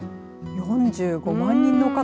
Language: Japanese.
４５万人の方。